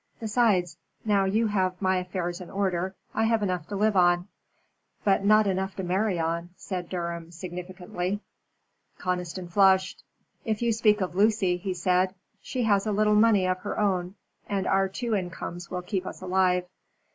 "Besides, now you have my affairs in order, I have enough to live on." "But not enough to marry on," said Durham, significantly. Conniston flushed. "If you speak of Lucy," he said, "she has a little money of her own, and our two incomes will keep us alive."